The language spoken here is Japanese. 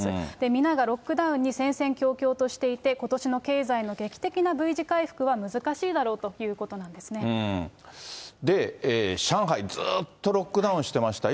皆がロックダウンに戦々恐々としていて、ことしの経済の劇的なＶ字回復は難しいだろうということなんです上海、ずっとロックダウンしてました。